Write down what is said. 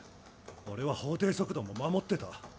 俺は法定速度も守ってた。